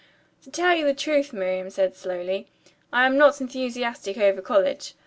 "To tell you the truth," Miriam said slowly, "I am not enthusiastic over college.